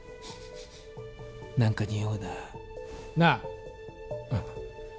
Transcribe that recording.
何かにおうななあうん